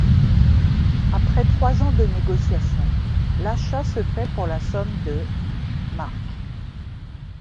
Après trois ans de négociations, l'achat se fait pour la somme de marks.